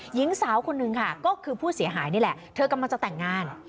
หญิงสาวคนนึงค่ะก็คือผู้เสียหายนี่แหละเธอกำลังจะแต่งงาน